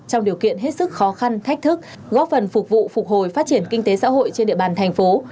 trong điều kiện hết sức khó khăn thách thức góp phần phục vụ phục hồi phát triển kinh tế xã hội trên địa bàn thành phố